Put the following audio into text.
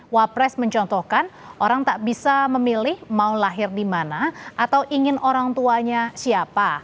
wapres mencontohkan orang tak bisa memilih mau lahir di mana atau ingin orang tuanya siapa